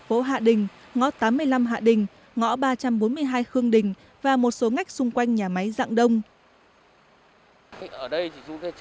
phố hạ đình ngõ tám mươi năm hạ đình ngõ ba trăm bốn mươi hai khương đình và một số ngách xung quanh nhà máy dạng đông